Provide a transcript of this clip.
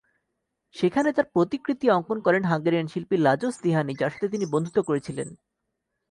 সেখানে তাঁর প্রতিকৃতি অঙ্কন করেন হাঙ্গেরিয়ান শিল্পী লাজোস তিহানি, যার সাথে তিনি বন্ধুত্ব করেছিলেন।